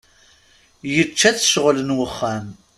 Yečča-tt ccɣel n wexxam.